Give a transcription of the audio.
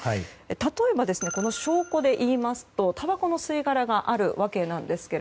例えば、証拠でいいますとたばこの吸い殻があるわけですが